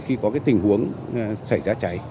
khi có tình huống xảy ra cháy